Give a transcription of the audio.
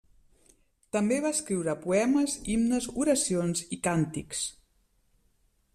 També va escriure poemes, himnes, oracions i càntics.